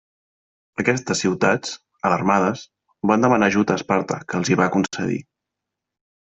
Aquestes ciutats, alarmades, van demanar ajut a Esparta que els hi va concedir.